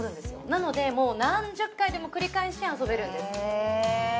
なのでもう何十回でも繰り返して遊べるんですへえ